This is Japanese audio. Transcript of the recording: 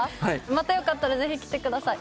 またよかったらぜひ来てください。